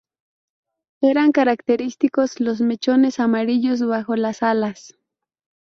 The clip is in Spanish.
Eran característicos los mechones amarillos bajo las alas.